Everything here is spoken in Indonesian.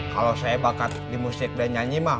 kalau saya bakat di musik dan nyanyi mah